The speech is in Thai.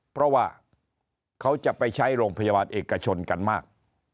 เพราะว่าเขาจะไปใช้โรงพยาบาลเอกชนกันมาก